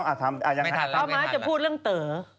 ป้าม้าจะพูดเรื่องเต๋อ